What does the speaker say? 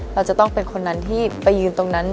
เราจะต้องเป็นคนนั้นที่ไปยืนตรงนั้น